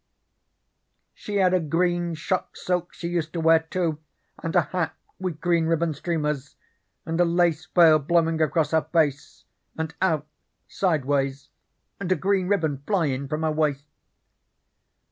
She had a green shot silk she used to wear, too, and a hat with green ribbon streamers, and a lace veil blowing across her face and out sideways, and a green ribbon flyin' from her waist.